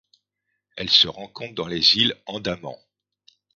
Elle se rencontre dans les îles Andaman.